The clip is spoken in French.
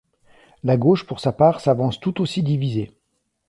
La gauche pour sa part s'avance tout aussi divisée.